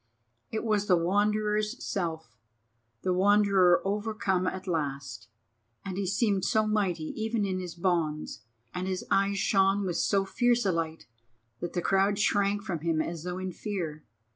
It was the Wanderer's self, the Wanderer overcome at last, and he seemed so mighty even in his bonds, and his eyes shone with so fierce a light, that the crowd shrank from him as though in fear.